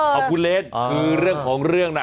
ขอบคุณเลสคือเรื่องของเรื่องน่ะ